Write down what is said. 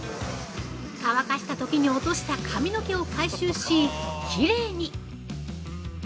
乾かしたときに落とした髪の毛を回収し、きれいに！